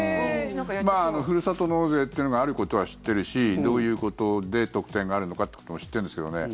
ふるさと納税というのがあることは知ってるしどういうことで特典があるのかというのも知ってるんですけどね。